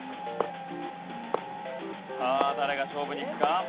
さあ誰が勝負にいくか？